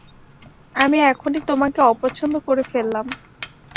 আমি এখনই তোমাকে অপছন্দ করে ফেললাম।